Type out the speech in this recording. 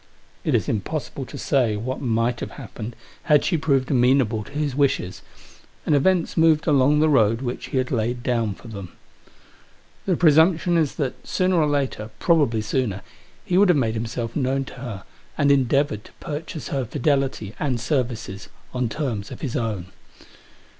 It is impossible to say what might have happened had she proved amenable to his wishes ; and events moved along the road which he had laid down for them. The presumption is that, sooner or later — probably sooner— he would have made himself known to her, and endeavoured to purchase her fidelity, and services, on terms of his own.